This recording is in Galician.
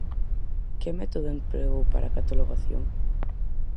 Que método empregou para a catalogación?